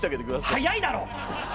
早いだろ！